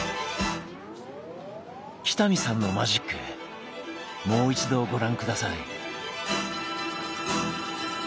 北見さんのマジックもう一度ご覧下さい。